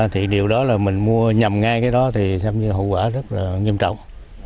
thì điều đó là mình mua nhầm ngay cái đó thì hậu quả rất là nghiêm trọng